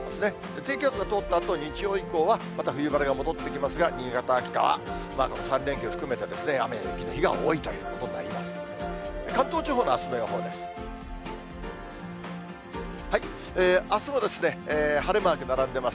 低気圧が通ったあと、日曜日以降は、また冬晴れが戻ってきますが、新潟、秋田は３連休含めて、雨や雪の日が多いということになります。